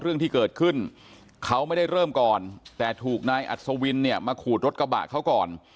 เรื่องที่เกิดขึ้นเขาไม่ได้เริ่มก่อนแต่ถูกนายอัศวินเนี่ยมาขูดรถกระบะเขาก่อน